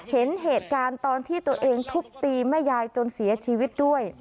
เห็นเหตุการณ์ตอนที่ตัวเองทุบตีแม่ยายจนเสียชีวิตด้วย